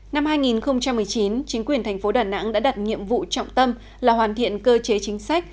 năm hai nghìn một mươi chín chính quyền thành phố đà nẵng đã đặt nhiệm vụ trọng tâm là hoàn thiện cơ chế chính sách